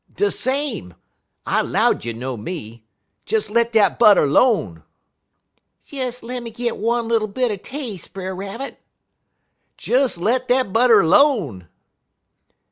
"'De same. I 'low'd you'd know me. Des let dat butter 'lone.' "'Des lemme git one little bit er tas'e, Brer Rabbit.' "'Des let dat butter 'lone.'